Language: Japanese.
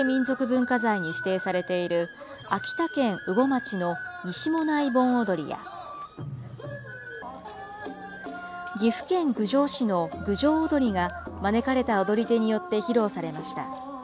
文化財に指定されている、秋田県羽後町の西馬音内盆踊りや、岐阜県郡上市の郡上おどりが招かれた踊り手によって披露されました。